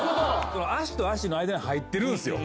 足と足の間に入ってるんすよ。